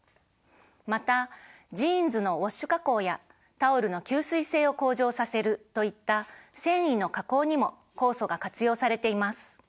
またジーンズのウォッシュ加工やタオルの吸水性を向上させるといった繊維の加工にも酵素が活用されています。